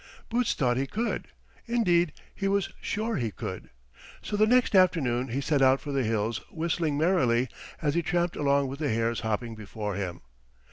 Boots thought he could. Indeed, he was sure he could. So the next afternoon he set out for the hills, whistling merrily as he tramped along with the hares hopping before him.